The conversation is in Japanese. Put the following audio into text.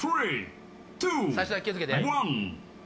最初だけ気を付けて。